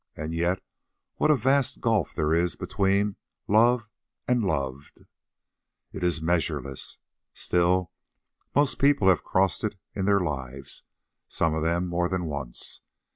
And yet what a vast gulf there is between love and loved! It is measureless. Still, most people have crossed it in their lives, some of them more than once.